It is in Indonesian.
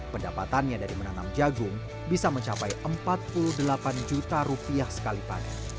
pendapatannya dari menanam jagung bisa mencapai rp empat puluh delapan juta sekali padat